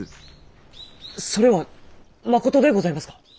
それはまことでございますか。